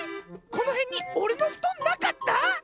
このへんにおれのふとんなかった？